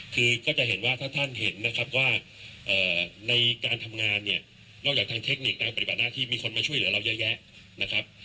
คือก็จะเห็นว่าถ้าท่านเห็นนะครับว่าในการทำงานเนี่ยนอกจากทางเทคนิคการปฏิบัติหน้าที่มีคนมาช่วยเหลือเราเยอะแยะนะครับ